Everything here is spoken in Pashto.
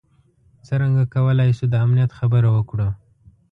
څرنګه کولای شو د امنیت خبره وکړو.